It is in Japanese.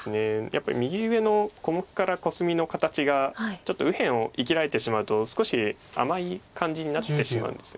やっぱり右上の小目からコスミの形がちょっと右辺を生きられてしまうと少し甘い感じになってしまうんです。